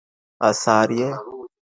آثار یې